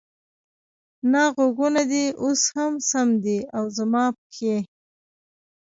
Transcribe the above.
نه، غوږونه دې اوس هم سم دي، او زما پښې؟